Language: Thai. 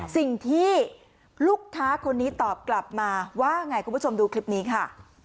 สิ่งที่ลูกค้าคนนี้ตอบกลับมาว่าไงคุณผู้ชมดูคลิปนี้ค่ะ